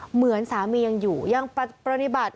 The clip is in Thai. เหมือนสามียังอยู่ยังปฏิบัติ